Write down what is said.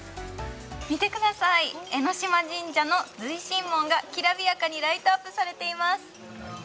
見てください、江島神社の瑞心門が、きらびやかにライトアップされています。